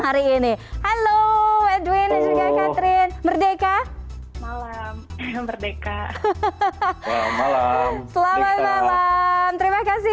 hari ini halo edwin dan catherine merdeka malam yang merdeka hahaha selama lamanya terima kasih